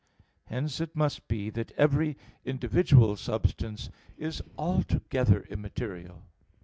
Hence it must be that every individual substance is altogether immaterial.